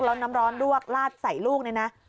แล้วน้ำร้อนลวกลาดใส่ลูกเนี่ยนะ